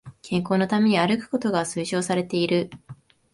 健康のために歩くことが推奨されている